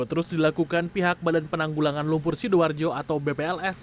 terus dilakukan pihak badan penanggulangan lumpur sidoarjo atau bpls